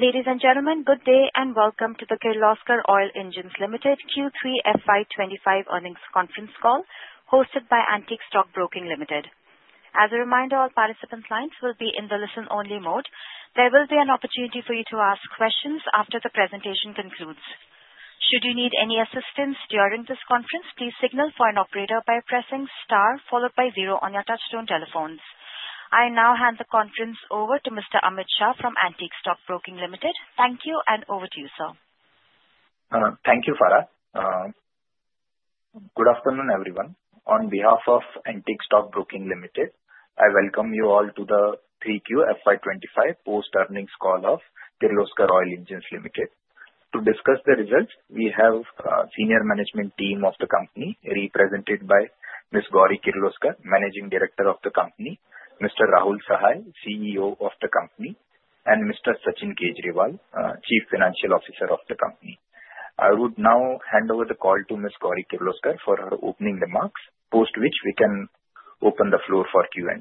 Ladies and gentlemen, good day and welcome to the Kirloskar Oil Engines Limited Q3 FY 2025 earnings conference call hosted by Antique Stock Broking Limited. As a reminder, all participants' lines will be in the listen-only mode. There will be an opportunity for you to ask questions after the presentation concludes. Should you need any assistance during this conference, please signal for an operator by pressing star followed by zero on your touch-tone telephones. I now hand the conference over to Mr. Amit Shah from Antique Stock Broking Limited. Thank you, and over to you, sir. Thank you, Farah. Good afternoon, everyone. On behalf of Antique Stock Broking Limited, I welcome you all to the 3Q FY 2025 post-earnings call of Kirloskar Oil Engines Limited. To discuss the results, we have a senior management team of the company represented by Ms. Gauri Kirloskar, Managing Director of the company, Mr. Rahul Sahai, CEO of the company, and Mr. Sachin Kejriwal, Chief Financial Officer of the company. I would now hand over the call to Ms. Gauri Kirloskar for her opening remarks, post which we can open the floor for Q&A.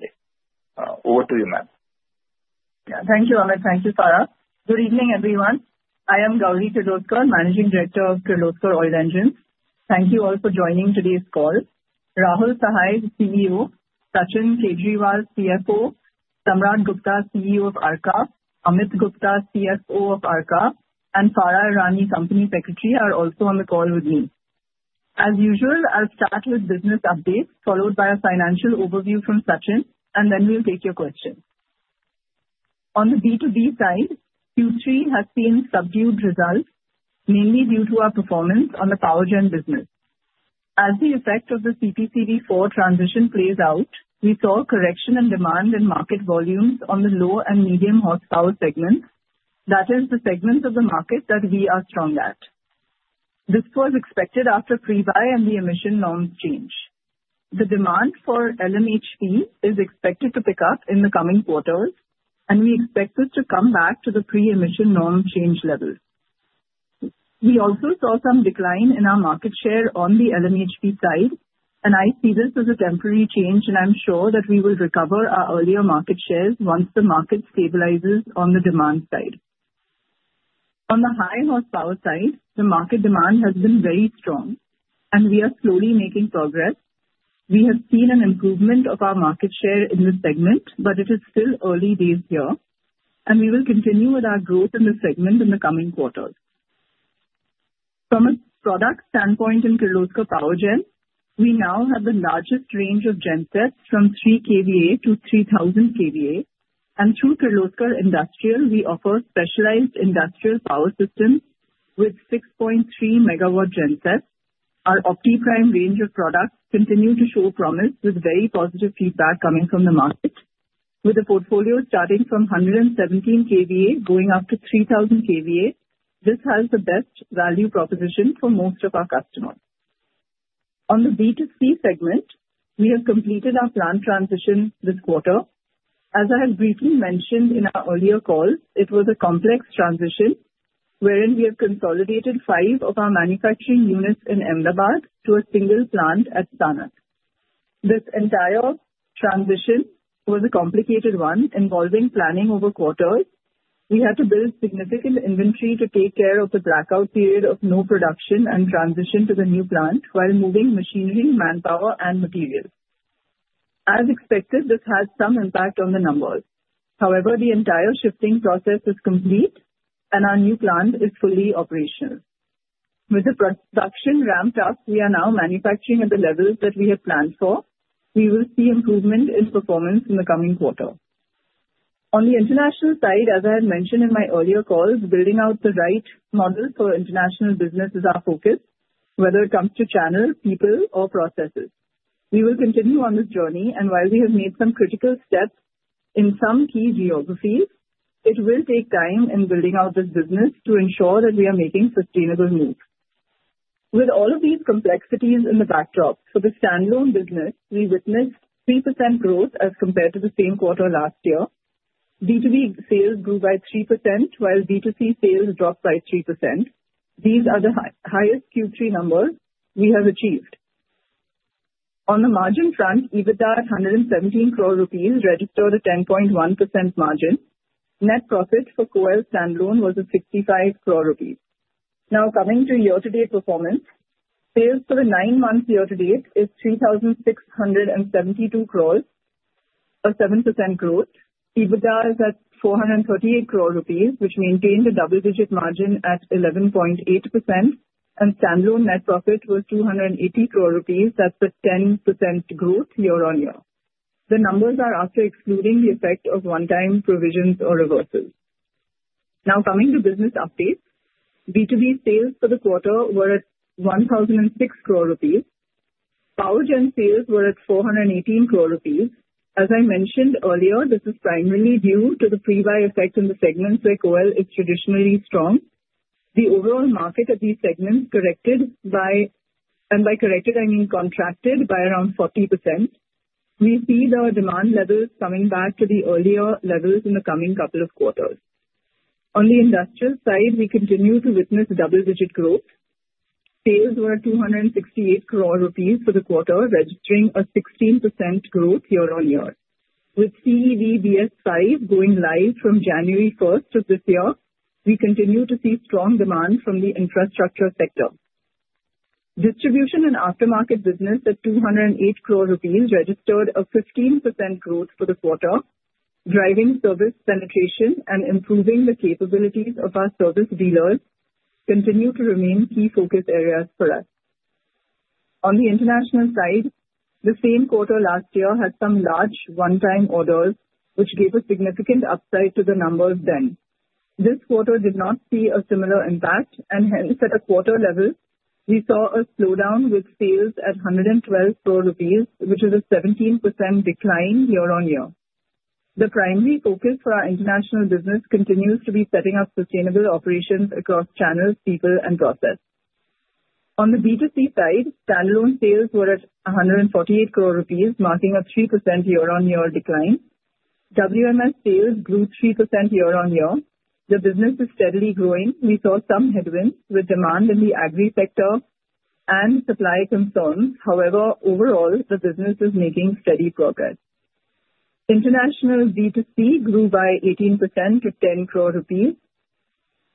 Over to you, ma'am. Thank you, Amit. Thank you, Farah. Good evening, everyone. I am Gauri Kirloskar, Managing Director of Kirloskar Oil Engines. Thank you all for joining today's call. Rahul Sahai, CEO; Sachin Kejriwal, CFO; Samrat Gupta, CEO of Arka; Amit Gupta, CFO of Arka; and Farah Irani, company secretary, are also on the call with me. As usual, I'll start with business updates followed by a financial overview from Sachin, and then we'll take your questions. On the B2B side, Q3 has seen subdued results, mainly due to our performance on the power gen business. As the effect of the CPCB IV+ transition plays out, we saw correction in demand and market volumes on the low and medium horsepower segments. That is, the segments of the market that we are strong at. This was expected after pre-buy and the emission norms change. The demand for LMHP is expected to pick up in the coming quarters, and we expect this to come back to the pre-emission norm change levels. We also saw some decline in our market share on the LMHP side, and I see this as a temporary change, and I'm sure that we will recover our earlier market shares once the market stabilizes on the demand side. On the high horsepower side, the market demand has been very strong, and we are slowly making progress. We have seen an improvement of our market share in this segment, but it is still early days here, and we will continue with our growth in this segment in the coming quarters. From a product standpoint in Kirloskar Power Gen, we now have the largest range of gensets from 3 kVA-3,000 kVA, and through Kirloskar Industrial, we offer specialized industrial power systems with 6.3 MW gensets. Our OptiPrime range of products continue to show promise with very positive feedback coming from the market. With a portfolio starting from 117 kVA going up to 3,000 kVA, this has the best value proposition for most of our customers. On the B2C segment, we have completed our plant transition this quarter. As I have briefly mentioned in our earlier call, it was a complex transition wherein we have consolidated five of our manufacturing units in Ahmedabad to a single plant at Sanand. This entire transition was a complicated one involving planning over quarters. We had to build significant inventory to take care of the blackout period of no production and transition to the new plant while moving machinery, manpower, and materials. As expected, this had some impact on the numbers. However, the entire shifting process is complete, and our new plant is fully operational. With the production ramped up, we are now manufacturing at the levels that we had planned for. We will see improvement in performance in the coming quarter. On the international side, as I had mentioned in my earlier calls, building out the right model for international business is our focus, whether it comes to channel, people, or processes. We will continue on this journey, and while we have made some critical steps in some key geographies, it will take time in building out this business to ensure that we are making sustainable moves. With all of these complexities in the backdrop, for the standalone business, we witnessed 3% growth as compared to the same quarter last year. B2B sales grew by 3%, while B2C sales dropped by 3%. These are the highest Q3 numbers we have achieved. On the margin front, EBITDA at 117 crore rupees registered a 10.1% margin. Net profit for KOEL standalone was at 65 crore rupees. Now, coming to year-to-date performance, sales for the nine-month year-to-date is 3,672 crore, a 7% growth. EBITDA is at 438 crore rupees, which maintained a double-digit margin at 11.8%, and standalone net profit was 280 crore rupees. That's a 10% growth year-on-year. The numbers are after excluding the effect of one-time provisions or reversals. Now, coming to business updates, B2B sales for the quarter were at 1,006 crore rupees. Power gen sales were at 418 crore rupees. As I mentioned earlier, this is primarily due to the pre-buy effect in the segments where KOEL is traditionally strong. The overall market at these segments corrected by, and by corrected, I mean contracted by around 40%. We see the demand levels coming back to the earlier levels in the coming couple of quarters. On the industrial side, we continue to witness double-digit growth. Sales were at 268 crore rupees for the quarter, registering a 16% growth year-on-year. With CEV BS V going live from January 1st of this year, we continue to see strong demand from the infrastructure sector. Distribution and aftermarket business at 208 crore rupees registered a 15% growth for the quarter. Driving service penetration and improving the capabilities of our service dealers continue to remain key focus areas for us. On the international side, the same quarter last year had some large one-time orders, which gave a significant upside to the number of base. This quarter did not see a similar impact, and hence, at a quarter level, we saw a slowdown with sales at 112 crore rupees, which is a 17% decline year-on-year. The primary focus for our international business continues to be setting up sustainable operations across channels, people, and process. On the B2C side, standalone sales were at 148 crore rupees, marking a 3% year-on-year decline. WMS sales grew 3% year-on-year. The business is steadily growing. We saw some headwinds with demand in the agri sector and supply concerns. However, overall, the business is making steady progress. International B2C grew by 18% to 10 crore rupees,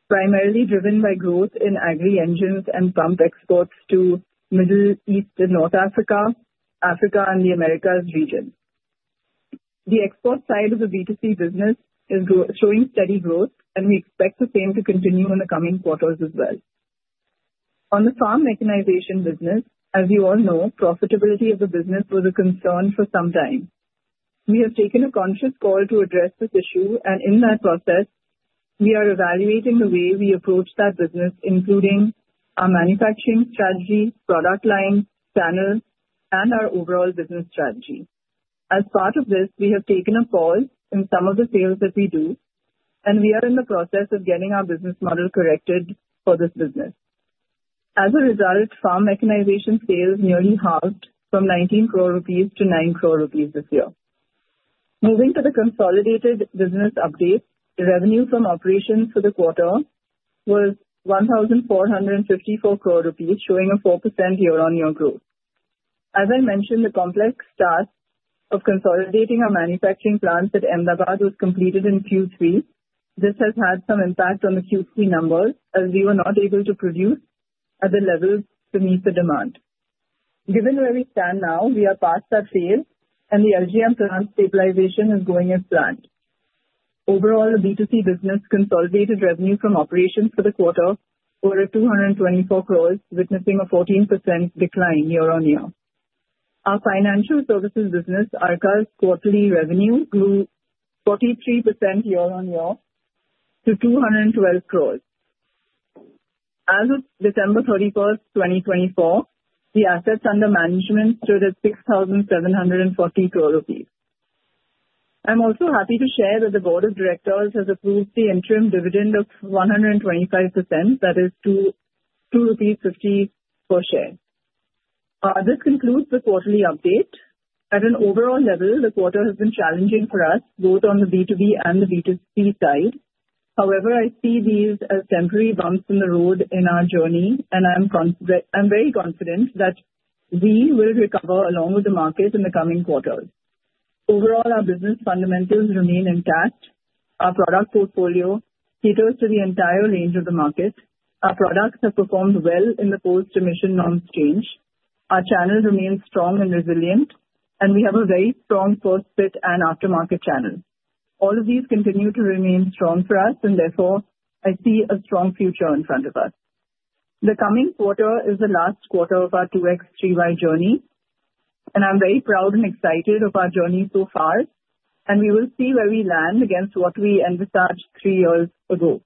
primarily driven by growth in agri engines and pump exports to Middle East and North Africa, Africa, and the Americas region. The export side of the B2C business is showing steady growth, and we expect the same to continue in the coming quarters as well. On the farm mechanization business, as you all know, profitability of the business was a concern for some time. We have taken a conscious call to address this issue, and in that process, we are evaluating the way we approach that business, including our manufacturing strategy, product line, channels, and our overall business strategy. As part of this, we have taken a pause in some of the sales that we do, and we are in the process of getting our business model corrected for this business. As a result, farm mechanization sales nearly halved from 19 crore-9 crore rupees this year. Moving to the consolidated business updates, revenue from operations for the quarter was 1,454 crore rupees, showing a 4% year-on-year growth. As I mentioned, the complex task of consolidating our manufacturing plants at Ahmedabad was completed in Q3. This has had some impact on the Q3 numbers as we were not able to produce at the levels beneath the demand. Given where we stand now, we are past that phase, and the LGM plant stabilization is going as planned. Overall, the B2C business consolidated revenue from operations for the quarter was at 224 crore, witnessing a 14% decline year-on-year. Our financial services business, Arka's quarterly revenue, grew 43% year-on-year to 212 crore. As of December 31st, 2024, the assets under management stood at 6,740 crore rupees. I'm also happy to share that the board of directors has approved the interim dividend of 125%. That is 2.50 rupees per share. This concludes the quarterly update. At an overall level, the quarter has been challenging for us, both on the B2B and the B2C side. However, I see these as temporary bumps in the road in our journey, and I'm very confident that we will recover along with the market in the coming quarters. Overall, our business fundamentals remain intact. Our product portfolio caters to the entire range of the market. Our products have performed well in the post-emission norms change. Our channel remains strong and resilient, and we have a very strong first-fit and aftermarket channel. All of these continue to remain strong for us, and therefore, I see a strong future in front of us. The coming quarter is the last quarter of our 2X3Y journey, and I'm very proud and excited about our journey so far, and we will see where we land against what we envisaged three years ago.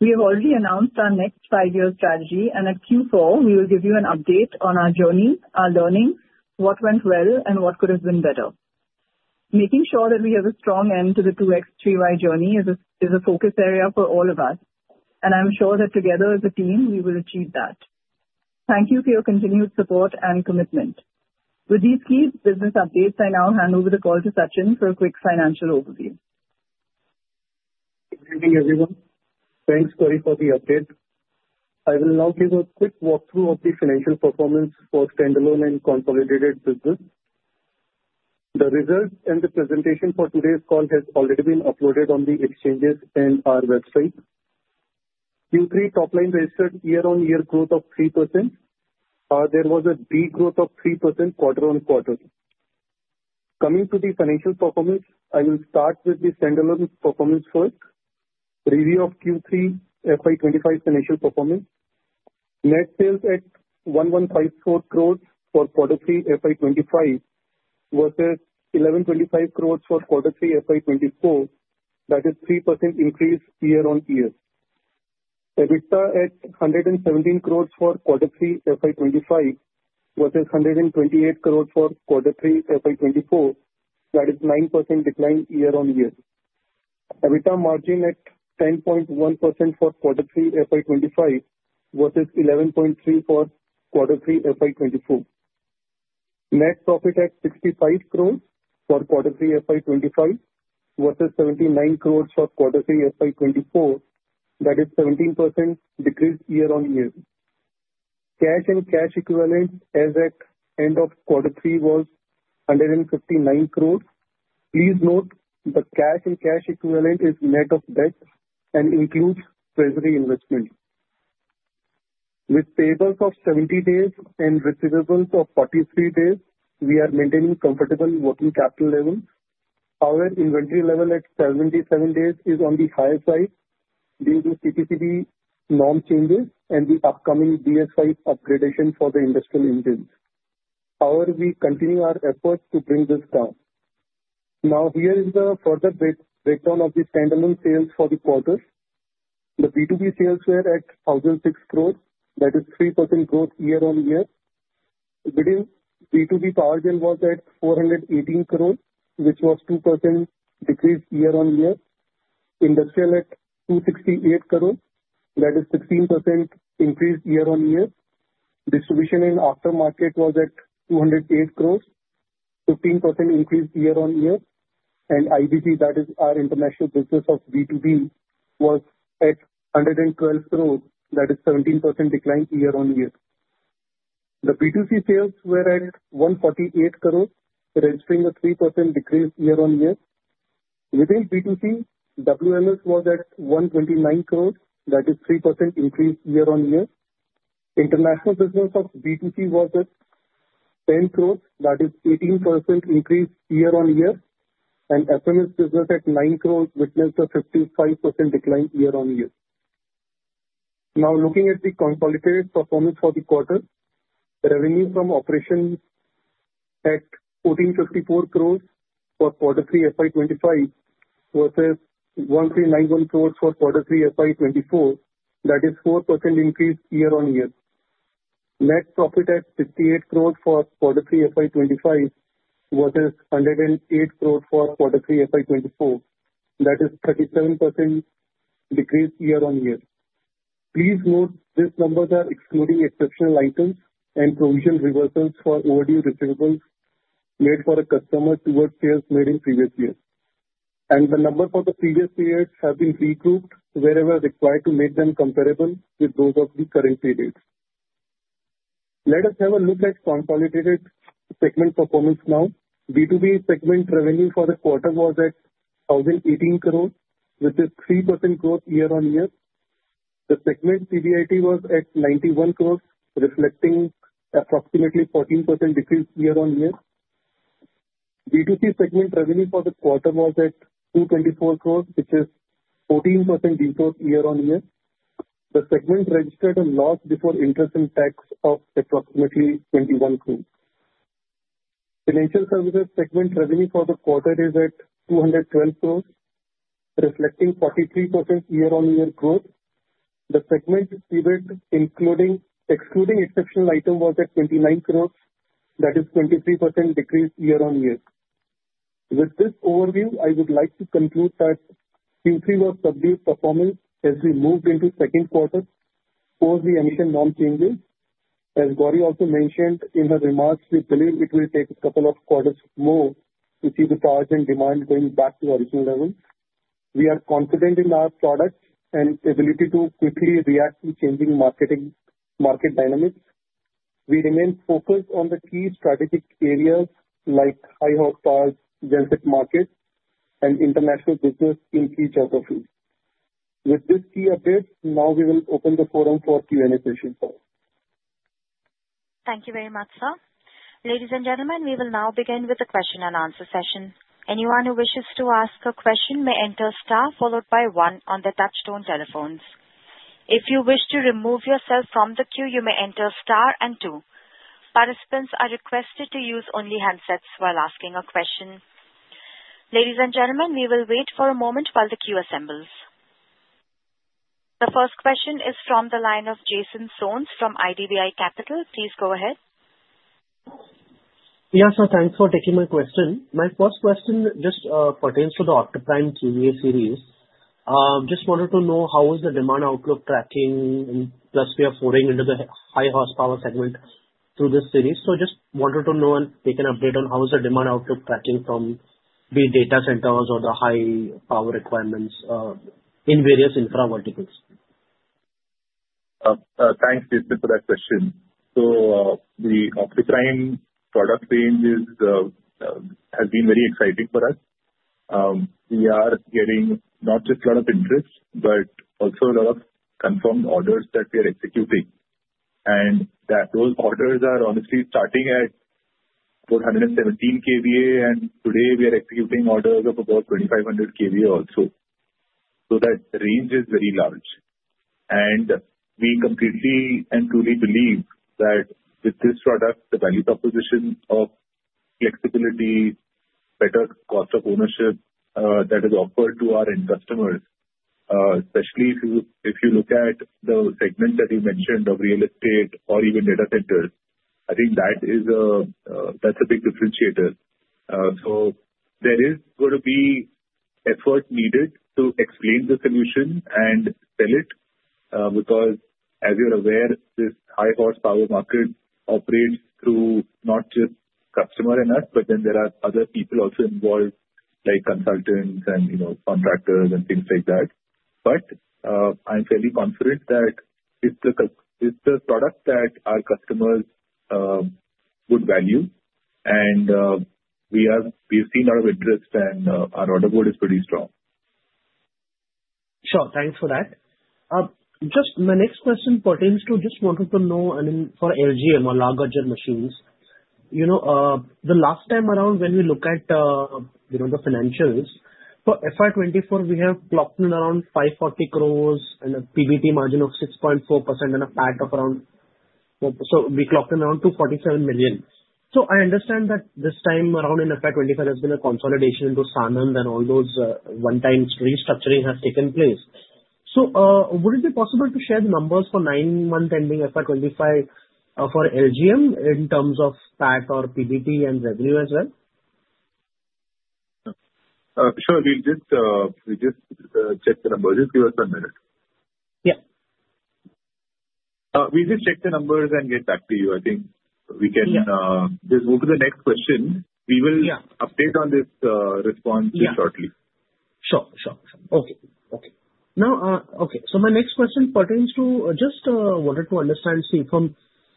We have already announced our next five-year strategy, and at Q4, we will give you an update on our journey, our learnings, what went well, and what could have been better. Making sure that we have a strong end to the 2X3Y journey is a focus area for all of us, and I'm sure that together as a team, we will achieve that. Thank you for your continued support and commitment. With these key business updates, I now hand over the call to Sachin for a quick financial overview. Good evening, everyone. Thanks, Gauri, for the update. I will now give a quick walkthrough of the financial performance for standalone and consolidated business. The results and the presentation for today's call have already been uploaded on the exchanges and our website. Q3 top-line registered year-on-year growth of 3%. There was a big growth of 3% quarter-on-quarter. Coming to the financial performance, I will start with the standalone performance first. Review of Q3 FY 2025 financial performance. Net sales at 1,154 crore for quarter three FY 2025 versus 1,125 crore for quarter three FY 2024. That is 3% increase year-on-year. EBITDA at 117 crore for quarter three FY 2025 versus 128 crore for quarter three FY 2024. That is 9% decline year-on-year. EBITDA margin at 10.1% for quarter three FY 2025 versus 11.3% for quarter three FY 2024. Net profit at INR 65 crore for quarter three FY 2025 versus INR 79 crore for quarter three FY 2024.That is 17% decrease year-on-year. Cash and cash equivalent as at end of quarter three was 159 crore. Please note the cash and cash equivalent is net of debt and includes treasury investment. With payables of 70 days and receivables of 43 days, we are maintaining comfortable working capital levels. Our inventory level at 77 days is on the high side due to CPCB norm changes and the upcoming BS V upgradation for the industrial engines. However, we continue our efforts to bring this down. Now, here is the further breakdown of the standalone sales for the quarter. The B2B sales were at 1,006 crore. That is 3% growth year-on-year. Within, B2B power gen was at 418 crore, which was 2% decrease year-on-year. Industrial at 268 crore. That is 16% increase year-on-year. Distribution and aftermarket was at 208 crore, 15% increase year-on-year. IBP, that is our international business of B2B, was at 112 crore. That is 17% decline year-on-year. The B2C sales were at INR 148 crore, registering a 3% decrease year-on-year. Within B2C, WMS was at 129 crore. That is 3% increase year-on-year. International business of B2C was at 10 crore. That is 18% increase year-on-year. And FMS business at 9 crore witnessed a 55% decline year-on-year. Now, looking at the consolidated performance for the quarter, revenue from operations at INR 1,454 crore for quarter three FY 2025 versus INR 1,391 crore for quarter three FY 2024. That is 4% increase year-on-year. Net profit at 58 crore for quarter three FY 2025 versus 108 crore for quarter three FY 2024. That is 37% decrease year-on-year. Please note these numbers are excluding exceptional items and provisional reversals for OD receivables made for a customer towards sales made in previous years. The numbers for the previous periods have been regrouped wherever required to make them comparable with those of the current periods. Let us have a look at consolidated segment performance now. B2B segment revenue for the quarter was at 1,018 crore, which is 3% growth year-on-year. The segment EBIT was at 91 crore, reflecting approximately 14% decrease year-on-year. B2C segment revenue for the quarter was at 224 crore, which is 14% decrease year-on-year. The segment registered a loss before interest and tax of approximately 21 crore. Financial services segment revenue for the quarter is at 212 crore, reflecting 43% year-on-year growth. The segment EBIT, excluding exceptional item, was at 29 crore. That is 23% decrease year-on-year. With this overview, I would like to conclude that Q3 was subdued performance as we moved into second quarter post the initial norm changes. As Gauri also mentioned in her remarks, we believe it will take a couple of quarters more to see the power gen demand going back to the original levels. We are confident in our products and ability to quickly react to changing market dynamics. We remain focused on the key strategic areas like high horsepower, genset market, and international business in key geographies. With these key updates, now we will open the floor for Q&A session. Thank you very much, sir. Ladies and gentlemen, we will now begin with the question and answer session. Anyone who wishes to ask a question may enter star followed by 1 on the touch-tone telephones. If you wish to remove yourself from the queue, you may enter star and 2. Participants are requested to use only handsets while asking a question. Ladies and gentlemen, we will wait for a moment while the queue assembles. The first question is from the line of Jason Soans from IDBI Capital. Please go ahead. Yes, sir. Thanks for taking my question. My first question just pertains to the OptiPrime kVA series. Just wanted to know how is the demand outlook tracking plus we are foraying into the high-horsepower segment through this series. So just wanted to know and take an update on how is the demand outlook tracking from the data centers or the high-power requirements in various infra verticals. Thanks, Jason, for that question. So the OptiPrime product range has been very exciting for us. We are getting not just a lot of interest, but also a lot of confirmed orders that we are executing. And those orders are honestly starting at 417 kVA, and today we are executing orders of about 2,500 kVA also. So that range is very large. And we completely and truly believe that with this product, the value proposition of flexibility, better cost of ownership that is offered to our end customers, especially if you look at the segment that you mentioned of real estate or even data centers, I think that's a big differentiator. So there is going to be effort needed to explain the solution and sell it because, as you're aware, this high-horsepower market operates through not just customer and us, but then there are other people also involved like consultants and contractors and things like that. But I'm fairly confident that it's the product that our customers would value, and we've seen a lot of interest, and our order board is pretty strong. Sure. Thanks for that. Just my next question pertains to just wanting to know, I mean, for LGM or La Gajjar Machineries. The last time around when we look at the financials, for FY 2024, we have clocked in around 540 crores and a PBT margin of 6.4% and a PAT of around, so we clocked in around 247 million. So I understand that this time around in FY 2025, there's been a consolidation into Sanand and all those one-time restructuring has taken place. So would it be possible to share the numbers for nine-month ending FY 2025 for LGM in terms of PAT or PBT and revenue as well? Sure. We just checked the numbers. Just give us one minute. Yeah. We just checked the numbers and get back to you. I think we can just move to the next question. We will update on this response shortly. Sure. Okay. So my next question pertains to just wanted to understand.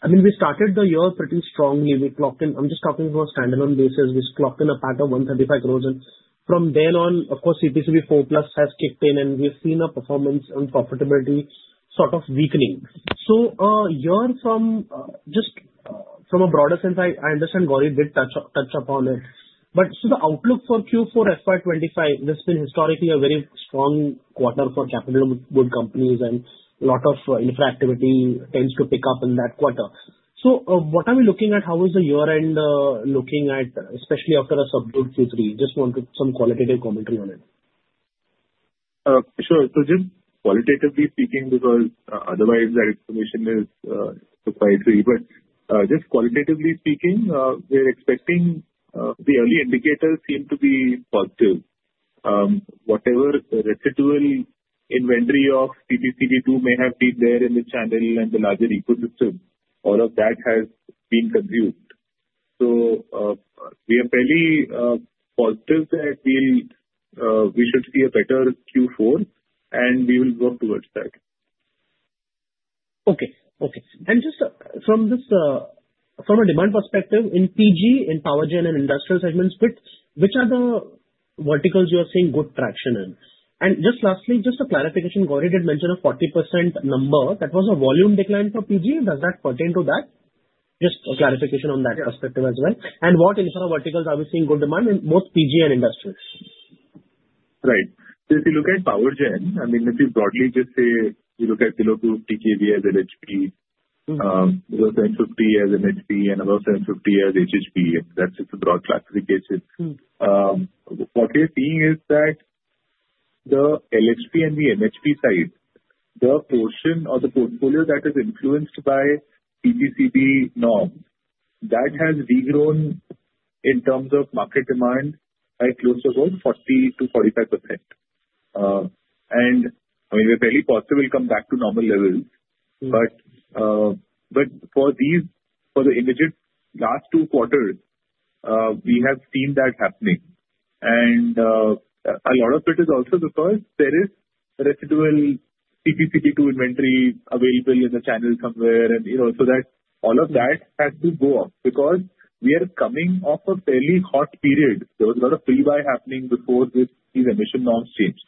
I mean, we started the year pretty strongly. We clocked in, I'm just talking from a standalone basis, a PAT of 135 crore, and from then on, of course, CPCB IV+ has kicked in, and we've seen a performance and profitability sort of weakening. So just from a broader sense, I understand Gauri did touch upon it. But the outlook for Q4 FY 2025, there's been historically a very strong quarter for capital goods companies, and a lot of infra activity tends to pick up in that quarter. So what are we looking at? How is the year-end looking at, especially after a subdued Q3? Just wanted some qualitative commentary on it. Sure. So just qualitatively speaking, because otherwise that information is proprietary, but just qualitatively speaking, we're expecting the early indicators seem to be positive. Whatever residual inventory of CPCB II may have been there in the channel and the larger ecosystem, all of that has been consumed. So we are fairly positive that we should see a better Q4, and we will work towards that. Okay. And just from a demand perspective, in PG, in power gen and industrial segments, which are the verticals you are seeing good traction in? And just lastly, just a clarification, Gauri did mention a 40% number. That was a volume decline for PG. Does that pertain to that? Just a clarification on that perspective as well. And what infra verticals are we seeing good demand in, both PG and industrial? Right. So if you look at power gen, I mean, if you broadly just say you look at below 200 kVA as LHP, below 750 as MHP, and above 750 as HHP, that's just a broad classification. What we're seeing is that the LHP and the MHP side, the portion or the portfolio that is influenced by CPCB norms, that has regrown in terms of market demand by close to about 40%-45%. And I mean, we're fairly positive we'll come back to normal levels. But for the immediate last two quarters, we have seen that happening. And a lot of it is also because there is residual CPCB II inventory available in the channel somewhere. And so all of that has to go up because we are coming off a fairly hot period. There was a lot of pre-buy happening before these emission norms changed.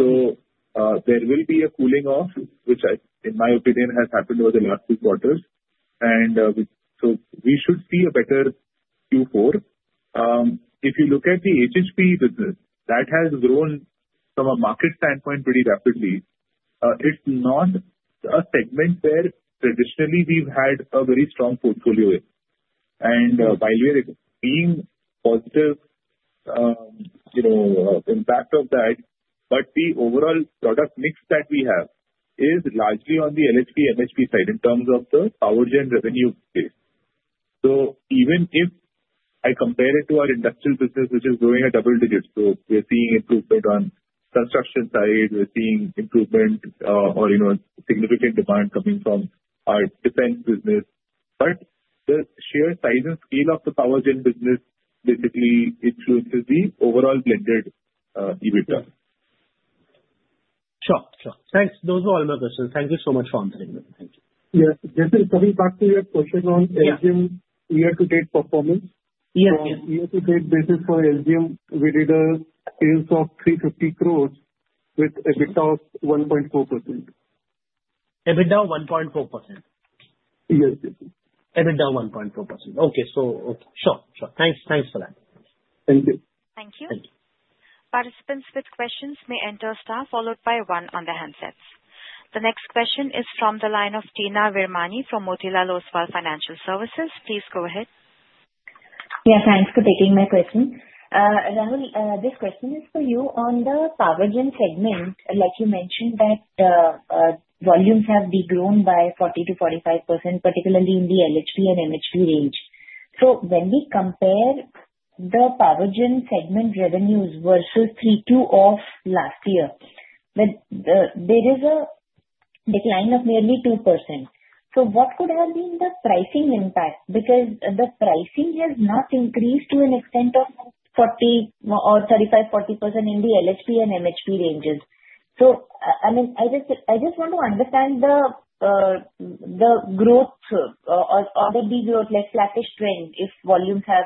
So there will be a cooling off, which in my opinion has happened over the last two quarters. And so we should see a better Q4. If you look at the HHP business, that has grown from a market standpoint pretty rapidly. It's not a segment where traditionally we've had a very strong portfolio in. And while we are seeing positive impact of that, but the overall product mix that we have is largely on the LHP-MHP side in terms of the power gen revenue base. So even if I compare it to our industrial business, which is growing at double digits, so we're seeing improvement on construction side, we're seeing improvement or significant demand coming from our defense business. But the sheer size and scale of the power gen business basically influences the overall blended EBITDA. Sure. Sure. Thanks. Those were all my questions. Thank you so much for answering them. Thank you. Yes. Jason, coming back to your question on LGM year-to-date performance. Yes. On a year-to-date basis for LGM, we did a sales of 350 crore with EBITDA of 1.4%. EBITDA of 1.4%. Yes. EBITDA of 1.4%. Okay. So sure. Sure. Thanks. Thanks for that. Thank you. Thank you. Participants with questions may enter star followed by 1 on the handsets. The next question is from the line of Teena Virmani from Motilal Oswal Financial Services. Please go ahead. Yeah. Thanks for taking my question. Rahul, this question is for you. On the power gen segment, like you mentioned that volumes have grown by 40%-45%, particularly in the LHP and MHP range. So when we compare the power gen segment revenues versus Q2 of last year, there is a decline of nearly 2%. So what could have been the pricing impact? Because the pricing has not increased to an extent of 35%-40% in the LHP and MHP ranges. So I mean, I just want to understand the growth or the degrowth, like flatish trend if volumes have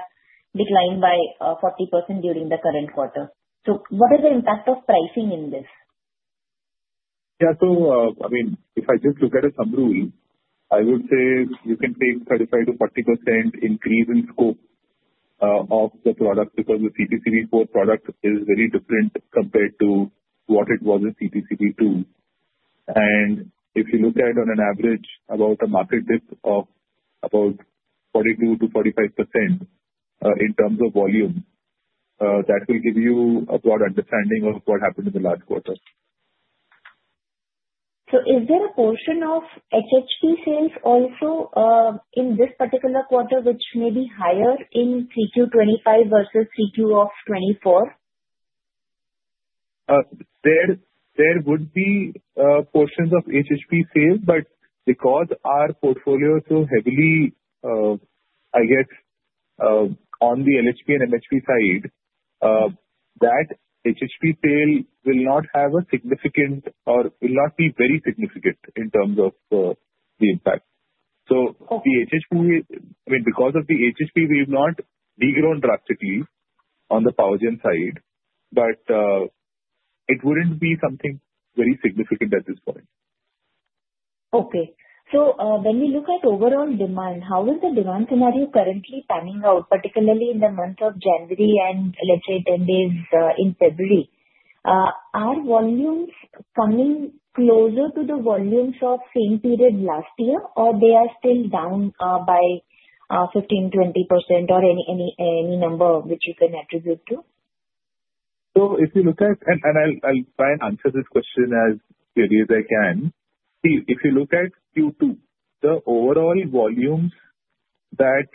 declined by 40% during the current quarter. So what is the impact of pricing in this? Yeah. So I mean, if I just look at a summary, I would say you can take 35%-40% increase in scope of the product because the CPCB IV+ product is very different compared to what it was in CPCB II. And if you look at on an average about a market dip of about 42%-45% in terms of volume, that will give you a broad understanding of what happened in the last quarter. Is there a portion of HHP sales also in this particular quarter which may be higher in Q2 2025 versus Q2 of 2024? There would be portions of HHP sales, but because our portfolio is so heavily, I guess, on the LHP and MHP side, that HHP sale will not have a significant or will not be very significant in terms of the impact. So I mean, because of the HHP, we have not grown drastically on the power gen side, but it wouldn't be something very significant at this point. Okay. So when we look at overall demand, how is the demand scenario currently panning out, particularly in the month of January and let's say 10 days in February? Are volumes coming closer to the volumes of same period last year, or they are still down by 15%-20% or any number which you can attribute to? If you look at, and I'll try and answer this question as clearly as I can. See, if you look at Q2, the overall volumes that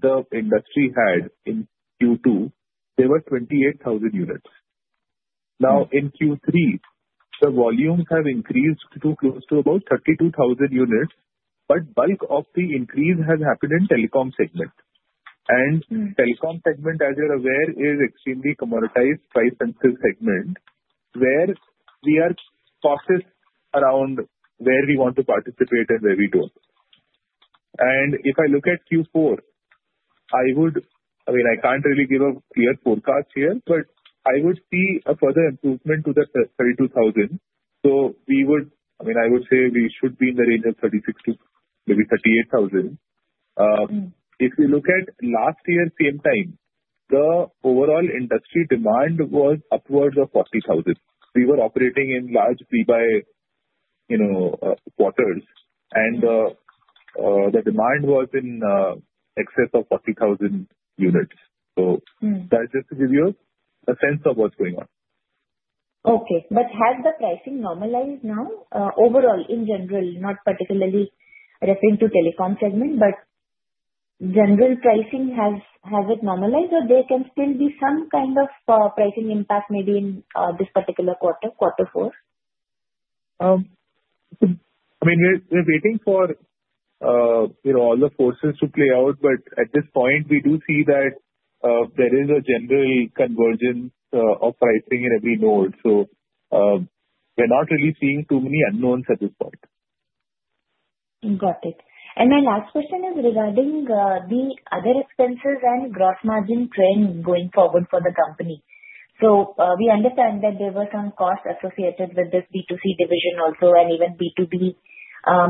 the industry had in Q2 were 28,000 units. Now, in Q3, the volumes have increased to close to about 32,000 units, but bulk of the increase has happened in telecom segment. And telecom segment, as you're aware, is extremely commoditized, price-sensitive segment where we are cautious around where we want to participate and where we don't. And if I look at Q4, I would. I mean, I can't really give a clear forecast here, but I would see a further improvement to the 32,000 units. I mean, I would say we should be in the range of 36,000 units-maybe 38,000 units. If you look at last year's same time, the overall industry demand was upwards of 40,000 units. We were operating in large pre-buy quarters, and the demand was in excess of 40,000 units. So that's just to give you a sense of what's going on. Okay. But has the pricing normalized now? Overall, in general, not particularly referring to telecom segment, but general pricing, has it normalized, or there can still be some kind of pricing impact maybe in this particular quarter, quarter four? I mean, we're waiting for all the forces to play out, but at this point, we do see that there is a general convergence of pricing in every node. So we're not really seeing too many unknowns at this point. Got it. And my last question is regarding the other expenses and gross margin trend going forward for the company. So we understand that there were some costs associated with this B2C division also and even B2B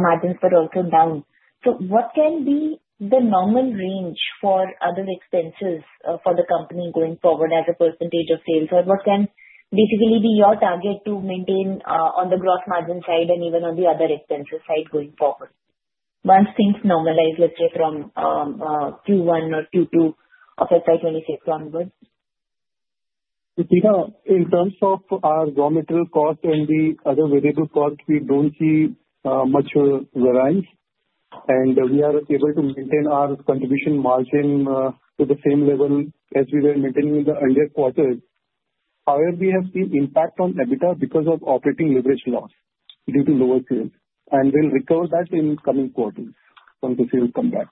margins that are also down. So what can be the normal range for other expenses for the company going forward as a percentage of sales? Or what can basically be your target to maintain on the gross margin side and even on the other expenses side going forward once things normalize, let's say from Q1 or Q2 of FY 2026 onwards? In terms of our raw material cost and the other variable costs, we don't see much variance. And we are able to maintain our contribution margin to the same level as we were maintaining in the earlier quarters. However, we have seen impact on EBITDA because of operating leverage loss due to lower sales. And we'll recover that in coming quarters once the sales come back.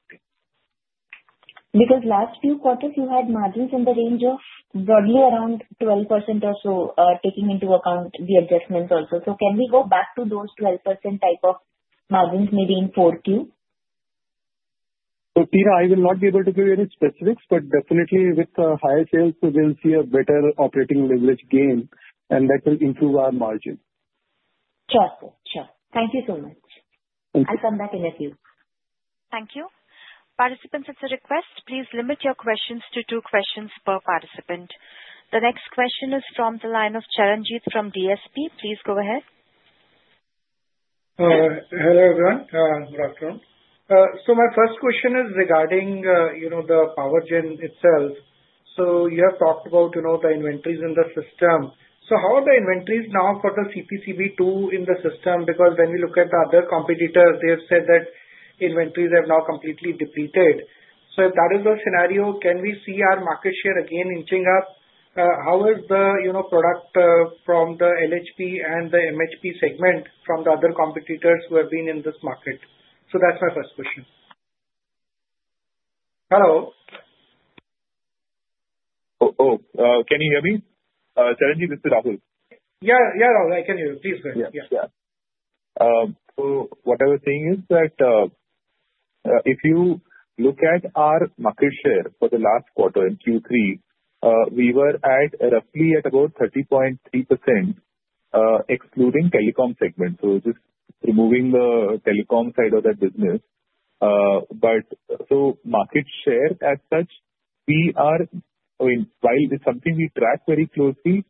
Because last few quarters, you had margins in the range of broadly around 12% or so, taking into account the adjustments also. So can we go back to those 12% type of margins maybe in Q4? So Tina, I will not be able to give you any specifics, but definitely with higher sales, we'll see a better operating leverage gain, and that will improve our margin. Sure. Sure. Thank you so much. Thank you. I'll come back in a few. Thank you. Participants at the request, please limit your questions to two questions per participant. The next question is from the line of Charanjit from DSP. Please go ahead. Hello everyone. So my first question is regarding the power gen itself. So you have talked about the inventories in the system. So how are the inventories now for the CPCB II in the system? Because when we look at the other competitors, they have said that inventories have now completely depleted. So if that is the scenario, can we see our market share again inching up? How is the product from the LHP and the MHP segment from the other competitors who have been in this market? So that's my first question. Hello. Oh, can you hear me? Charanjit, this is Rahul. Yeah. Yeah, Rahul. I can hear you. Please go ahead. Yeah. So what I was saying is that if you look at our market share for the last quarter in Q3, we were roughly at about 30.3% excluding telecom segment. So just removing the telecom side of that business. So market share as such, we are, I mean, while it's something we track very closely,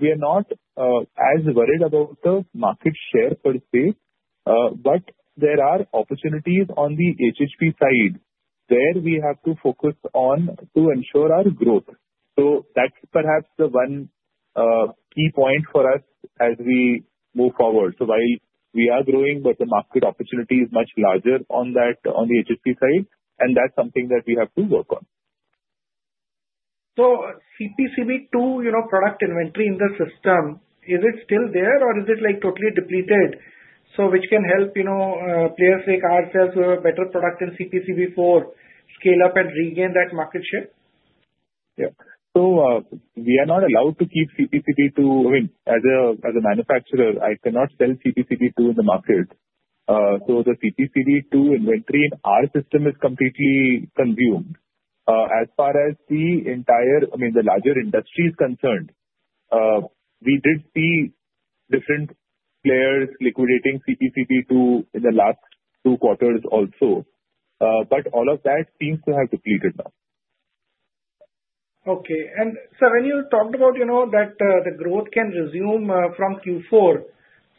we are not as worried about the market share per se. But there are opportunities on the HHP side where we have to focus on to ensure our growth. So that's perhaps the one key point for us as we move forward. So while we are growing, but the market opportunity is much larger on the HHP side, and that's something that we have to work on. CPCB II product inventory in the system, is it still there or is it totally depleted? Which can help players like ourselves who have a better product in CPCB IV+ scale up and regain that market share? Yeah. So we are not allowed to keep CPCB II. I mean, as a manufacturer, I cannot sell CPCB II in the market. So the CPCB II inventory in our system is completely consumed. As far as the entire, I mean, the larger industry is concerned, we did see different players liquidating CPCB II in the last two quarters also. But all of that seems to have depleted now. Okay. And so when you talked about that the growth can resume from Q4,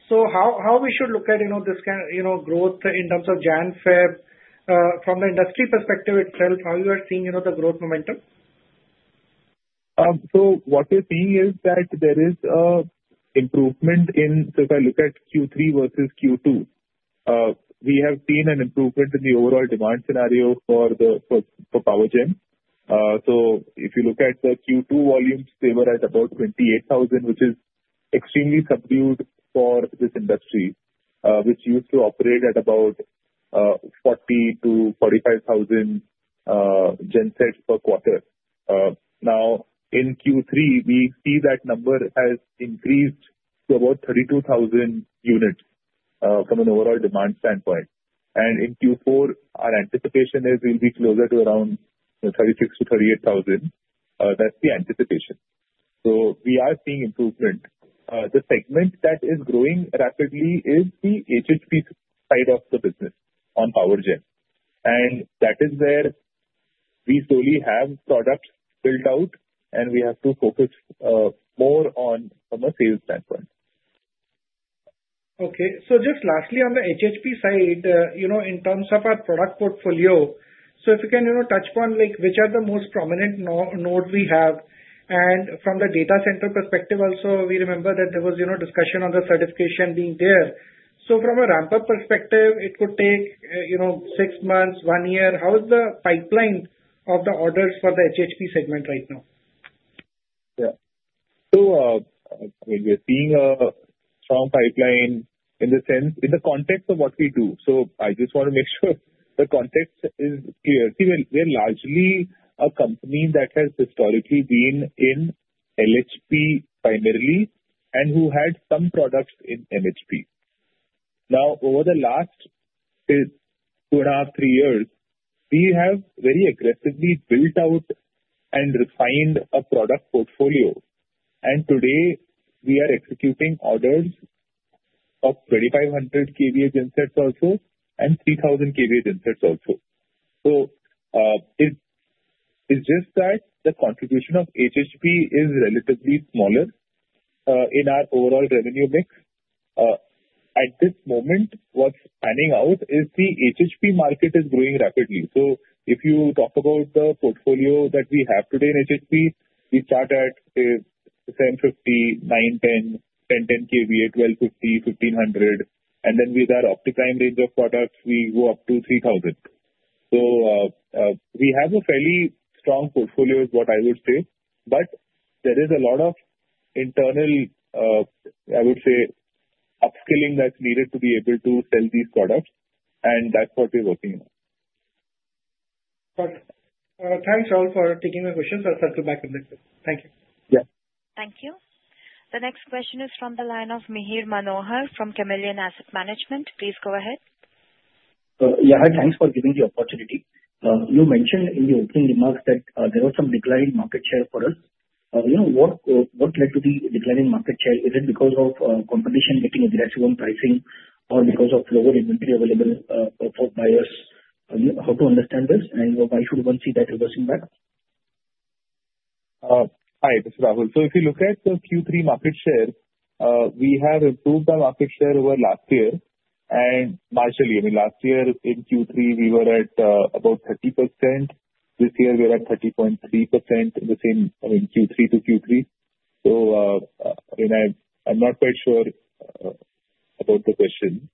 so how we should look at this growth in terms of January February from the industry perspective itself, how you are seeing the growth momentum? So what we're seeing is that there is an improvement in, so if I look at Q3 versus Q2, we have seen an improvement in the overall demand scenario for power gen. So if you look at the Q2 volumes, they were at about 28,000 units, which is extremely subdued for this industry, which used to operate at about 40,000 units-45,000 units gensets per quarter. Now, in Q3, we see that number has increased to about 32,000 units from an overall demand standpoint. And in Q4, our anticipation is we'll be closer to around 36,000 units-38,000 units. That's the anticipation. So we are seeing improvement. The segment that is growing rapidly is the HHP side of the business on power gen. And that is where we slowly have products built out, and we have to focus more on from a sales standpoint. Okay. So just lastly, on the HHP side, in terms of our product portfolio, so if you can touch upon which are the most prominent nodes we have, and from the data center perspective also, we remember that there was discussion on the certification being there, so from a ramp-up perspective, it could take six months, one year. How is the pipeline of the orders for the HHP segment right now? Yeah. So I mean, we're seeing a strong pipeline in the sense in the context of what we do. So I just want to make sure the context is clear. See, we're largely a company that has historically been in LHP primarily and who had some products in MHP. Now, over the last two and a half, three years, we have very aggressively built out and refined a product portfolio. And today, we are executing orders of 2,500 kVA gensets also and 3,000 kVA gensets also. So it's just that the contribution of HHP is relatively smaller in our overall revenue mix. At this moment, what's panning out is the HHP market is growing rapidly. So if you talk about the portfolio that we have today in HHP, we start at 750 kVA, 910 kVA, 1010 kVA, 1250 kVA, 1500 kVA, and then with our OptiPrime range of products, we go up to 3,000 kVA.So we have a fairly strong portfolio, is what I would say. But there is a lot of internal, I would say, upskilling that's needed to be able to sell these products, and that's what we're working on. Got it. Thanks, Rahul, for taking my questions. I'll circle back in a bit. Thank you. Yeah. Thank you. The next question is from the line of Mihir Manohar from Carnelian Asset Advisors. Please go ahead. Yeah. Thanks for giving the opportunity. You mentioned in the opening remarks that there was some declining market share for us. What led to the declining market share? Is it because of competition getting aggressive on pricing or because of lower inventory available for buyers? How to understand this? And why should one see that reversing back? Hi, this is Rahul. So if you look at the Q3 market share, we have improved our market share over last year. And marginally, I mean, last year in Q3, we were at about 30%. This year, we're at 30.3% in the same, I mean, Q3 to Q3. So I'm not quite sure about the question.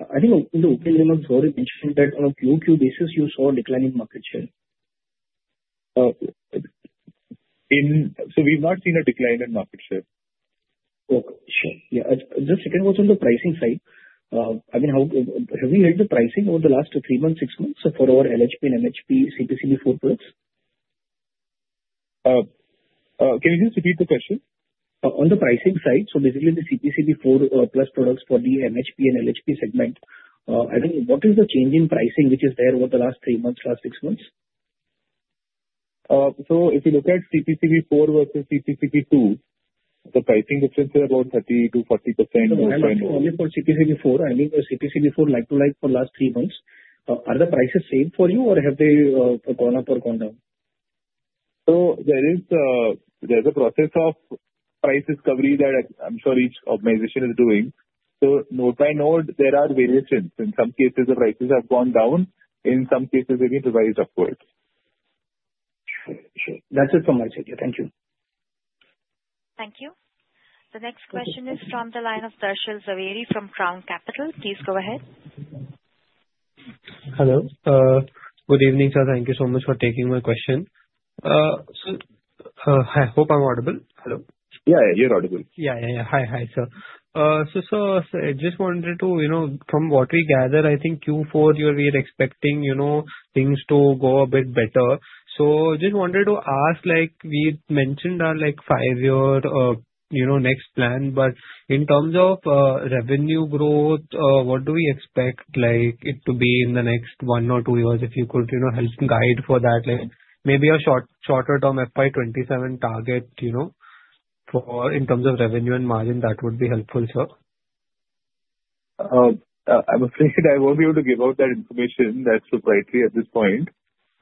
I think in the opening remarks, Rahul had mentioned that on a Q2 basis, you saw a declining market share. So we've not seen a decline in market share. Okay. Sure. Yeah. The second one's on the pricing side. I mean, have you hiked the pricing over the last three months, six months for our LHP and MHP CPCB IV+ products? Can you just repeat the question? On the pricing side, so basically the CPCB IV+ products for the MHP and LHP segment, I mean, what is the change in pricing which is there over the last three months, last six months? If you look at CPCB IV+ versus CPCB II, the pricing difference is about 30%-40%. I'm asking only for CPCB IV+. I mean, the CPCB IV+ like-to-like for the last three months, are the prices same for you, or have they gone up or gone down? So there is a process of price discovery that I'm sure each organization is doing. So node by node, there are variations. In some cases, the prices have gone down. In some cases, they've been revised upwards. Sure. Sure. That's it from my side. Yeah. Thank you. Thank you. The next question is from the line of Darshil Jhaveri from Crown Capital. Please go ahead. Hello. Good evening, sir. Thank you so much for taking my question. So I hope I'm audible? Hello. Yeah. You're audible. So I just wanted to, from what we gather, I think Q4, we were expecting things to go a bit better. So I just wanted to ask, we mentioned our five-year next plan, but in terms of revenue growth, what do we expect it to be in the next one or two years? If you could help guide for that, maybe a shorter-term FY 2027 target in terms of revenue and margin, that would be helpful, sir. I'm afraid I won't be able to give out that information. That's proprietary at this point.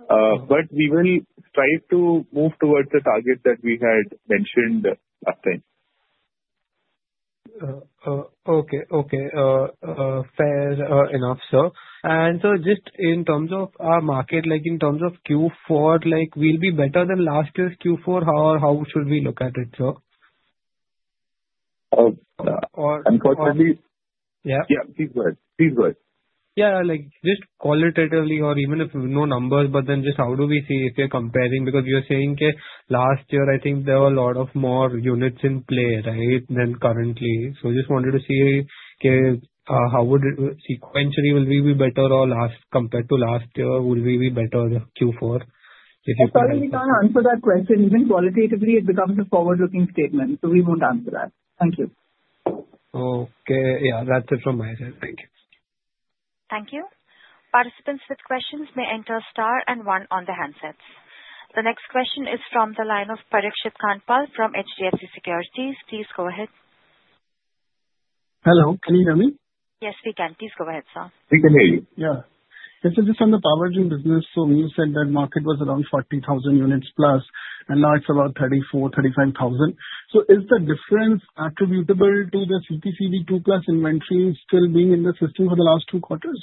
But we will try to move towards the target that we had mentioned last time. Okay. Okay. Fair enough, sir. And so just in terms of our market, in terms of Q4, will it be better than last year's Q4, or how should we look at it, sir? Unfortunately. Yeah? Yeah. Please go ahead. Yeah. Just qualitatively, or even if no numbers, but then just how do we see if you're comparing? Because you're saying last year, I think there were a lot more units in play, right, than currently. So I just wanted to see how sequentially will we be better or compared to last year, will we be better Q4? Sorry, we can't answer that question. Even qualitatively, it becomes a forward-looking statement. So we won't answer that. Thank you. Okay. Yeah. That's it from my side. Thank you. Thank you. Participants with questions may enter a star and one on the handsets. The next question is from the line of Parikshit Kandpal from HDFC Securities. Please go ahead. Hello. Can you hear me? Yes, we can. Please go ahead, sir. We can hear you. Yeah. This is just on the power gen business. So when you said that market was around 40,000+ units, and now it's about 34,000 units, 35,000 units. So is the difference attributable to the CPCB II+ inventory still being in the system for the last two quarters?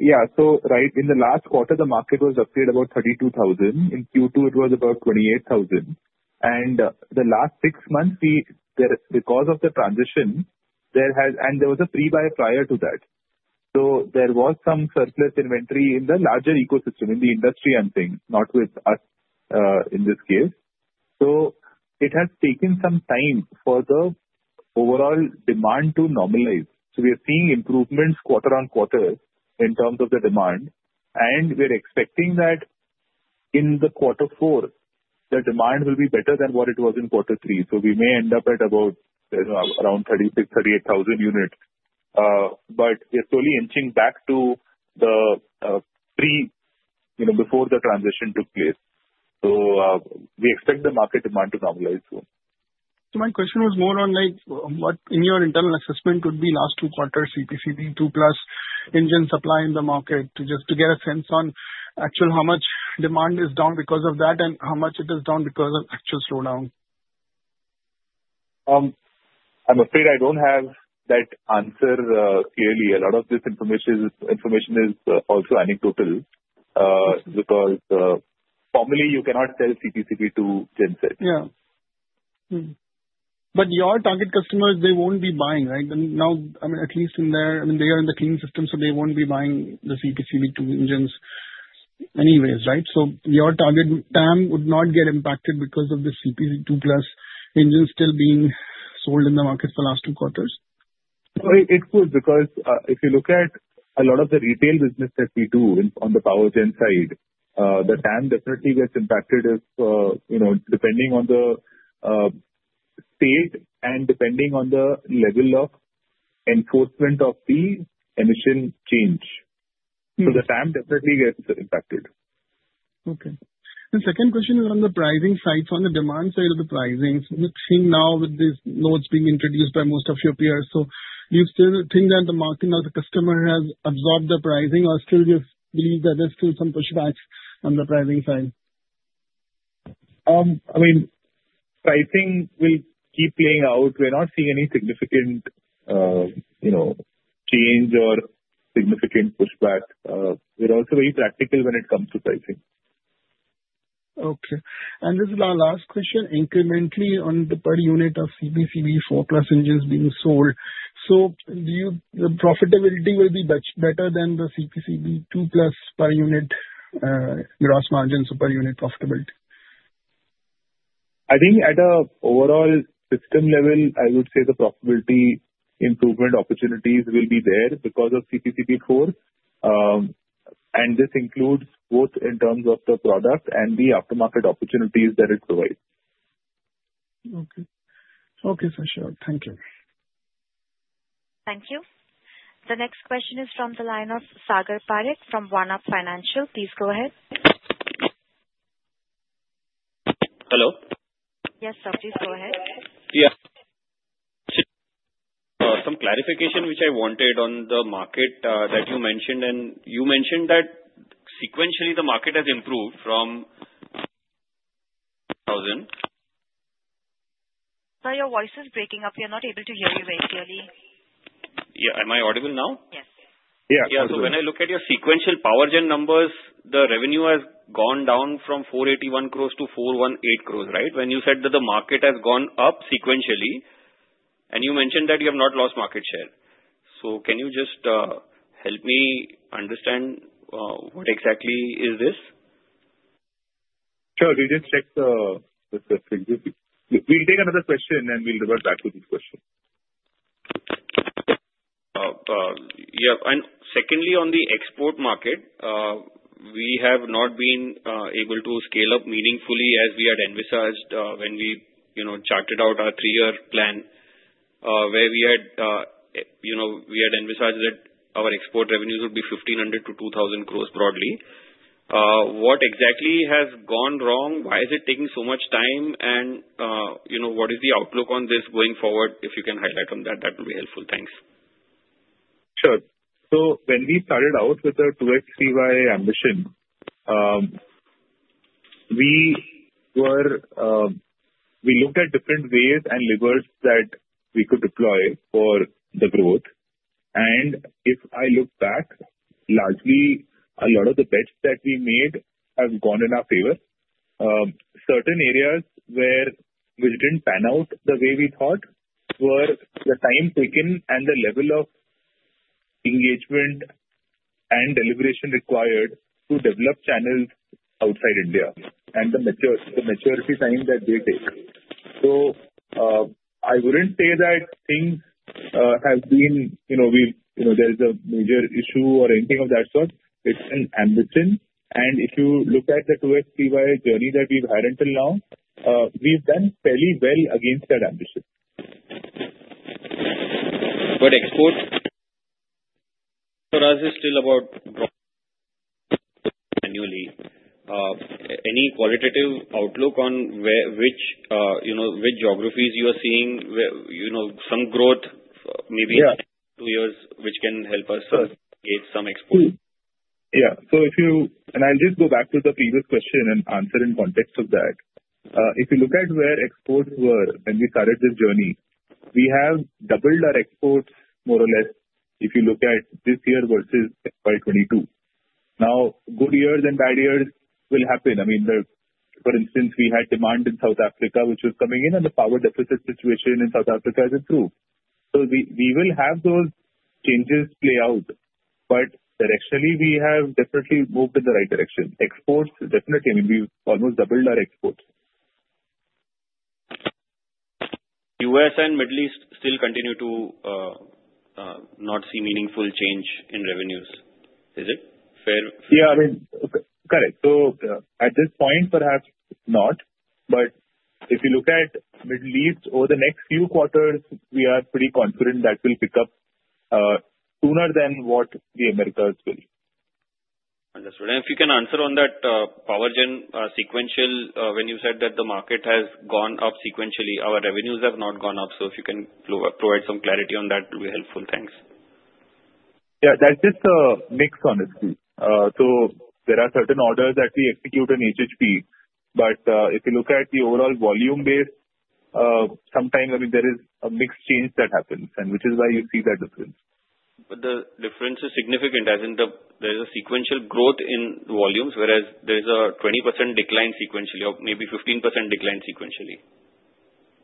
Yeah. So right in the last quarter, the market was up to about 32,000 units. In Q2, it was about 28,000 units. And the last six months, because of the transition, and there was a pre-buy prior to that. So there was some surplus inventory in the larger ecosystem, in the industry I'm saying, not with us in this case. So it has taken some time for the overall demand to normalize. So we are seeing improvements quarter on quarter in terms of the demand. We're expecting that in the quarter four, the demand will be better than what it was in quarter three. We may end up at around 36,000 units, 38,000 units. We're slowly inching back to the pre before the transition took place. We expect the market demand to normalize soon. My question was more on what in your internal assessment would be last two quarter CPCB II+ engine supply in the market to just get a sense on actual how much demand is down because of that and how much it is down because of actual slowdown? I'm afraid I don't have that answer clearly. A lot of this information is also anecdotal because formally, you cannot sell CPCB II gensets. Yeah. But your target customers, they won't be buying, right? Now, I mean, at least in their I mean, they are in the clean system, so they won't be buying the CPCB II engines anyways, right? So your target TAM would not get impacted because of the CPCB II+ engines still being sold in the market for the last two quarters? It could because if you look at a lot of the retail business that we do on the power gen side, the TAM definitely gets impacted depending on the state and depending on the level of enforcement of the emission change. So the TAM definitely gets impacted. Okay. The second question is on the pricing side. So on the demand side of the pricing, seeing now with these norms being introduced by most of your peers, so do you still think that the market now, the customer has absorbed the pricing or still just believe that there's still some pushbacks on the pricing side? I mean, pricing will keep playing out. We're not seeing any significant change or significant pushback. We're also very practical when it comes to pricing. Okay. This is our last question. Incrementally on the per unit of CPCB IV+ engines being sold, so the profitability will be better than the CPCB II+ per unit gross margin superior unit profitability? I think at an overall system level, I would say the profitability improvement opportunities will be there because of CPCB IV+. And this includes both in terms of the product and the aftermarket opportunities that it provides. Okay. Okay, for sure. Thank you. Thank you. The next question is from the line of Sagar Parekh from OneUp Financial. Please go ahead. Hello? Yes, sir. Please go ahead. Yeah. Some clarification which I wanted on the market that you mentioned, and you mentioned that sequentially the market has improved from 2,000 units. Sir, your voice is breaking up. We are not able to hear you very clearly. Yeah. Am I audible now? Yes. Yeah. So when I look at your sequential power gen numbers, the revenue has gone down from 481 crore-418 crore, right? When you said that the market has gone up sequentially, and you mentioned that you have not lost market share. So can you just help me understand what exactly is this? Sure. We'll just check. We'll take another question, and we'll revert back to this question. Yeah. And secondly, on the export market, we have not been able to scale up meaningfully as we had envisaged when we charted out our three-year plan where we had envisaged that our export revenues would be 1,500 crore-2,000 crore broadly. What exactly has gone wrong? Why is it taking so much time? And what is the outlook on this going forward? If you can highlight on that, that would be helpful. Thanks. Sure. So when we started out with the 2X3Y ambition, we looked at different ways and levers that we could deploy for the growth. And if I look back, largely, a lot of the bets that we made have gone in our favor. Certain areas which didn't pan out the way we thought were the time taken and the level of engagement and deliberation required to develop channels outside India and the maturity time that they take. So I wouldn't say that things have been. There is a major issue or anything of that sort. It's an ambition. And if you look at the 2X3Y journey that we've had until now, we've done fairly well against that ambition. But export for us is still about annually. Any qualitative outlook on which geographies you are seeing some growth maybe in two years which can help us get some export? Yeah, and I'll just go back to the previous question and answer in context of that. If you look at where exports were when we started this journey, we have doubled our exports more or less if you look at this year versus 2022. Now, good years and bad years will happen. I mean, for instance, we had demand in South Africa which was coming in, and the power deficit situation in South Africa has improved. So we will have those changes play out. But directionally, we have definitely moved in the right direction. Exports definitely. I mean, we've almost doubled our exports. U.S. and Middle East still continue to not see meaningful change in revenues. Is it fair? Yeah. Correct. So at this point, perhaps not. But if you look at Middle East, over the next few quarters, we are pretty confident that we'll pick up sooner than what the Americas will. Understood, and if you can answer on that Power Gen sequential, when you said that the market has gone up sequentially, our revenues have not gone up. So if you can provide some clarity on that, it will be helpful. Thanks. Yeah. That's just a mix honestly. So there are certain orders that we execute in HHP. But if you look at the overall volume base, sometimes I mean, there is a mixed change that happens, which is why you see that difference. But the difference is significant, as in there is a sequential growth in volumes, whereas there is a 20% decline sequentially or maybe 15% decline sequentially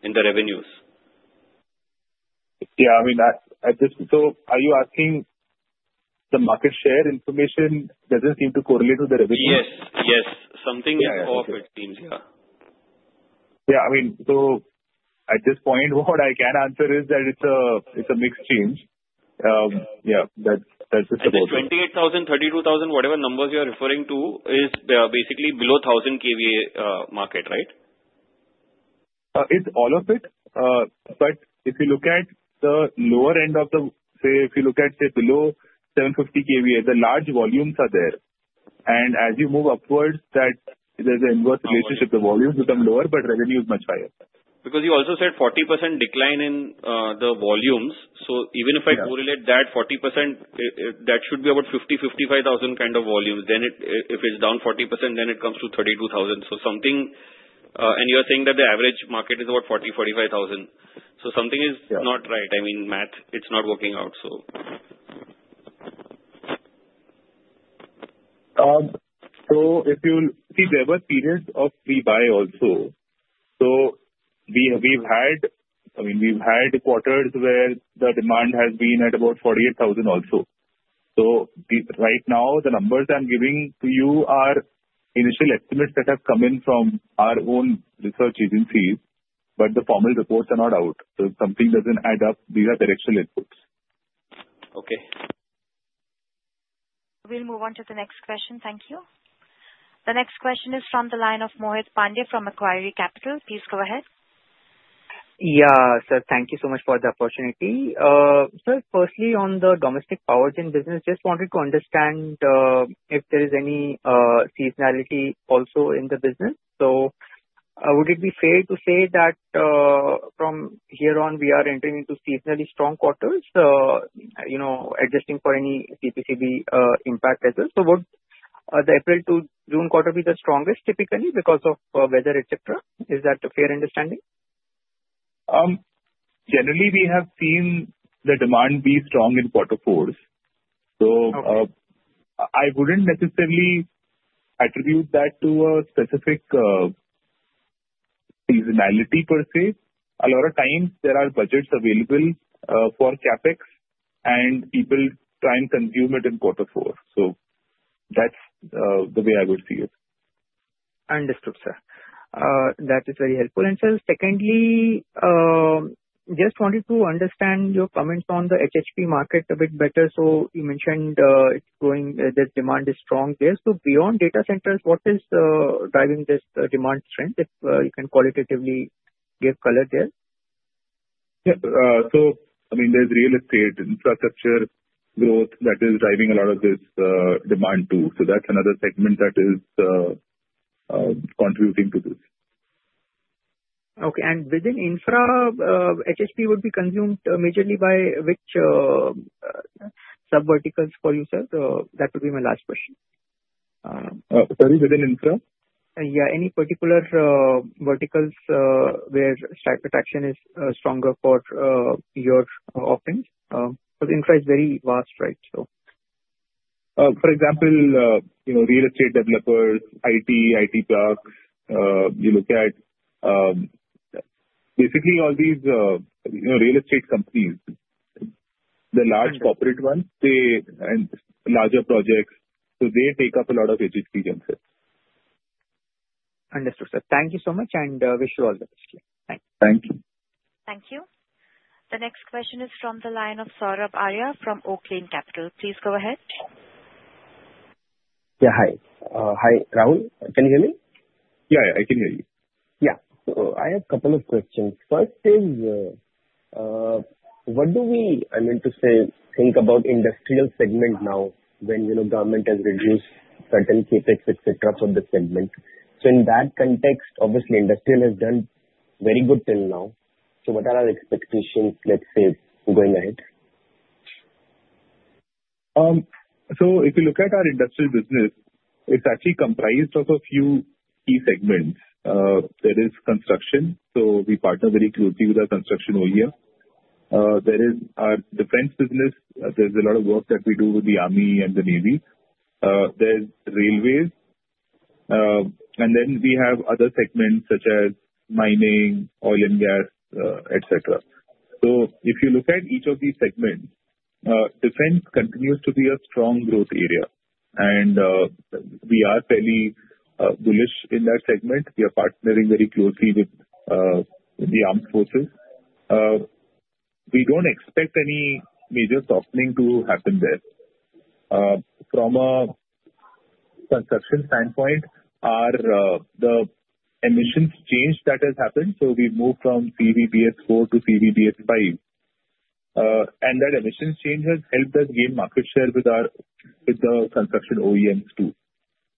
in the revenues. Yeah. I mean, so are you asking the market share information doesn't seem to correlate with the revenue? Yes. Yes. Something off it seems. Yeah. Yeah. I mean, so at this point, what I can answer is that it's a mixed change. Yeah. That's just the question. The 28,000 units, 32,000 units, whatever numbers you are referring to is basically below 1,000 kVA market, right? It's all of it. But if you look at the lower end of the say, if you look at say below 750 kVA, the large volumes are there. And as you move upwards, there's an inverse relationship. The volumes become lower, but revenue is much higher. Because you also said 40% decline in the volumes. So even if I correlate that 40%, that should be about 50,000 units, 55,000 units kind of volumes. Then if it's down 40%, then it comes to 32,000 units. And you are saying that the average market is about 40,000 units, 45,000 units. So something is not right. I mean, math, it's not working out, so. So if you see there were periods of pre-buy also. So we've had, I mean, we've had quarters where the demand has been at about 48,000 units also. So right now, the numbers I'm giving to you are initial estimates that have come in from our own research agencies, but the formal reports are not out. So if something doesn't add up, these are directional inputs. Okay. We'll move on to the next question. Thank you. The next question is from the line of Mohit Pandey from Aequitas Investments. Please go ahead. Yeah, sir. Thank you so much for the opportunity. Sir, firstly, on the domestic power gen business, just wanted to understand if there is any seasonality also in the business. So would it be fair to say that from here on, we are entering into seasonally strong quarters, adjusting for any CPCB impact as well? So would the April to June quarter be the strongest typically because of weather, etc.? Is that a fair understanding? Generally, we have seen the demand be strong in quarter fours. So I wouldn't necessarily attribute that to a specific seasonality per se. A lot of times, there are budgets available for CapEx, and people try and consume it in quarter four. So that's the way I would see it. Understood, sir. That is very helpful. And sir, secondly, just wanted to understand your comments on the HHP market a bit better. So you mentioned it's growing, the demand is strong there. So beyond data centers, what is driving this demand trend if you can qualitatively give color there? Yeah. So I mean, there's real estate, infrastructure growth that is driving a lot of this demand too. So that's another segment that is contributing to this. Okay. And within infra, HHP would be consumed majorly by which subverticals for you, sir? That would be my last question. Sorry, within infra? Yeah. Any particular verticals where attraction is stronger for your offerings? Because infra is very vast, right? So. For example, real estate developers, IT, IT blocks. You look at basically all these real estate companies, the large corporate ones and larger projects. So they take up a lot of HHP gensets. Understood, sir. Thank you so much and wish you all the best. Thanks. Thank you. Thank you. The next question is from the line of Saurabh Arya from Oaklane Capital. Please go ahead. Yeah. Hi. Hi, Rahul. Can you hear me? Yeah. Yeah. I can hear you. Yeah. So I have a couple of questions. First is, what do we, I mean, to say, think about industrial segment now when government has reduced certain CapEx, etc., for the segment? So in that context, obviously, industrial has done very good till now. So what are our expectations, let's say, going ahead? If you look at our industrial business, it's actually comprised of a few key segments. There is construction. We partner very closely with our construction OEM. There is our defense business. There's a lot of work that we do with the Army and the Navy. There's railways. And then we have other segments such as mining, oil and gas, etc. If you look at each of these segments, defense continues to be a strong growth area. And we are fairly bullish in that segment. We are partnering very closely with the armed forces. We don't expect any major softening to happen there. From a construction standpoint, the emissions change that has happened. We've moved from CEV BS IV to CEV BS V. And that emissions change has helped us gain market share with the construction OEMs too.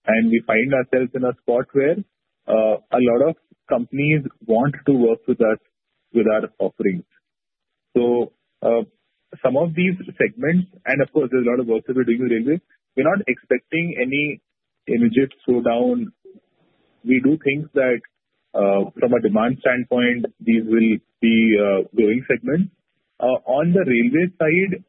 And we find ourselves in a spot where a lot of companies want to work with us with our offerings. So some of these segments, and of course, there's a lot of work that we're doing with railways. We're not expecting any immediate slowdown. We do think that from a demand standpoint, these will be growing segments. On the railway side,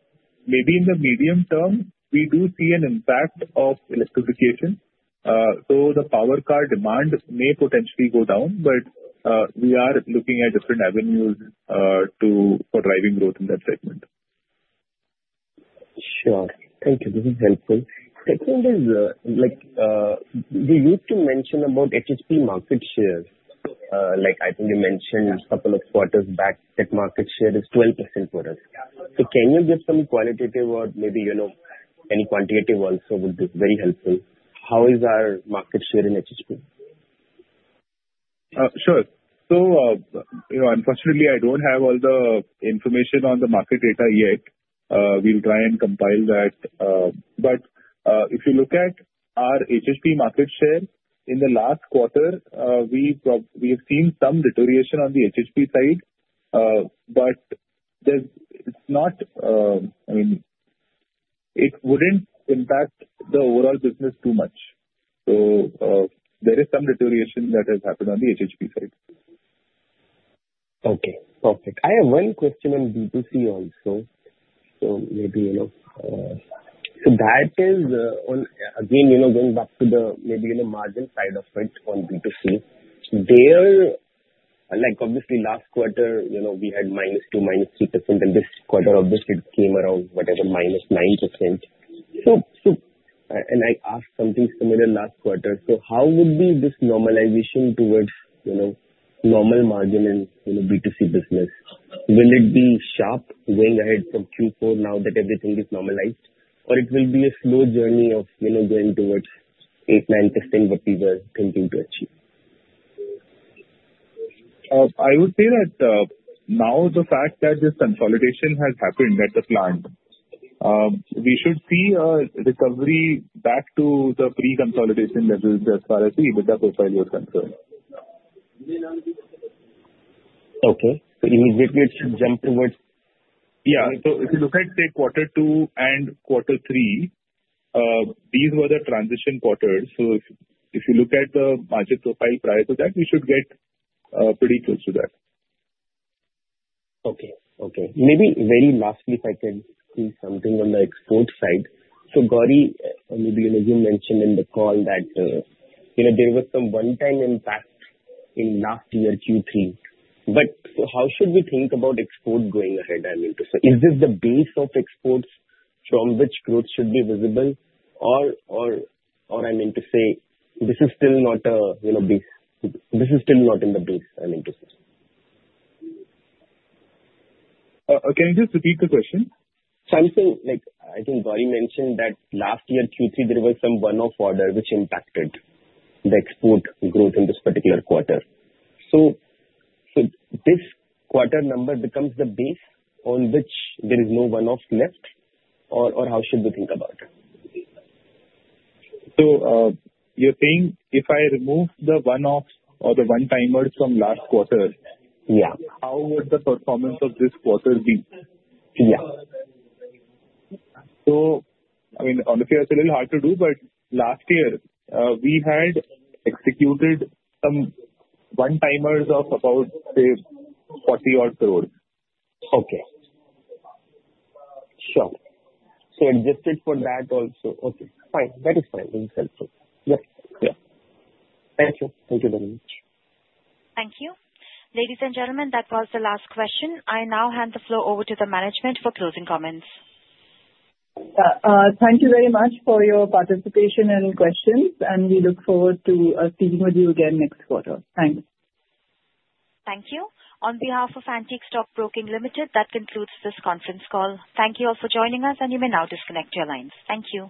maybe in the medium term, we do see an impact of electrification. So the power car demand may potentially go down, but we are looking at different avenues for driving growth in that segment. Sure. Thank you. This is helpful. Second is, you used to mention about HHP market share. I think you mentioned a couple of quarters back that market share is 12% for us. So can you give some qualitative or maybe any quantitative also would be very helpful? How is our market share in HHP? Sure. So unfortunately, I don't have all the information on the market data yet. We'll try and compile that. But if you look at our HHP market share, in the last quarter, we have seen some deterioration on the HHP side. But it's not, I mean, it wouldn't impact the overall business too much. So there is some deterioration that has happened on the HHP side. Okay. Perfect. I have one question on B2C also. So, maybe that is, again, going back to the margin side of it on B2C. Obviously, last quarter, we had -2%, -3%. And this quarter, obviously, it came around whatever, -9%. And I asked something similar last quarter. So how would be this normalization towards normal margin in B2C business? Will it be sharp going ahead from Q4 now that everything is normalized? Or it will be a slow journey of going towards 8%, 9% what we were thinking to achieve? I would say that now the fact that this consolidation has happened at the plant, we should see a recovery back to the pre-consolidation levels as far as the EBITDA profile was concerned. Okay. So immediately it should jump towards. Yeah. So if you look at say quarter two and quarter three, these were the transition quarters. So if you look at the budget profile prior to that, we should get pretty close to that. Okay. Okay. Maybe very lastly, if I can say something on the export side. So Gauri, maybe you mentioned in the call that there was some one-time impact in last year Q3. But how should we think about export going ahead? I mean, so is this the base of exports from which growth should be visible? Or I mean to say, this is still not in the base, I mean to say. Can you just repeat the question? So I'm saying, I think Gauri mentioned that last year Q3, there was some one-off order which impacted the export growth in this particular quarter. So this quarter number becomes the base on which there is no one-off left? Or how should we think about it? So you're saying if I remove the one-offs or the one-timers from last quarter, how would the performance of this quarter be? Yeah. I mean, honestly, that's a little hard to do. But last year, we had executed some one-timers of about, say, 40-odd crores. Okay. Sure. So adjusted for that also. Okay. Fine. That is fine. This is helpful. Yeah. Thank you. Thank you very much. Thank you. Ladies and gentlemen, that was the last question. I now hand the floor over to the management for closing comments. Thank you very much for your participation and questions. And we look forward to speaking with you again next quarter. Thanks. Thank you. On behalf of Antique Stock Broking Limited, that concludes this conference call. Thank you all for joining us, and you may now disconnect your lines. Thank you.